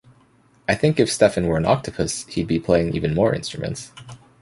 I think if Stefan were an octopus, he'd be playing even more instruments.